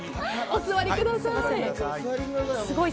お座りください。